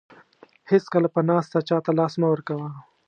هیڅکله په ناسته چاته لاس مه ورکوه.